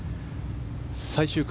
最終組